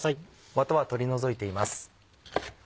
ワタは取り除いています。